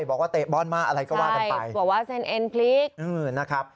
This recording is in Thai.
บอกว่าเตะบ้อนมาอะไรก็ว่ากันไปบอกว่าเซ็นเอ็นพลิก